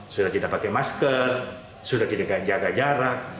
sudah tidak pakai masker sudah tidak jaga jarak